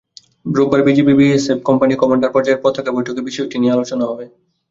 রোববার BGB BSF company commander পর্যায়ের পতাকা বৈঠকে বিষয়টি নিয়ে আলোচনা হবে।